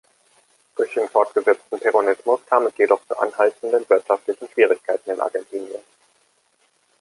Durch den fortgesetzten Peronismus kam es jedoch zu anhaltenden wirtschaftlichen Schwierigkeiten in Argentinien.